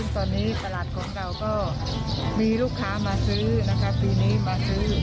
ตอนนี้ตลาดของเราก็มีลูกค้ามาซื้อนะคะปีนี้มาซื้อ